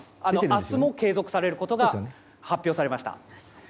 明日も継続されることが発表されました。